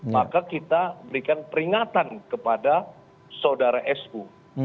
maka kita berikan peringatan kepada saudara su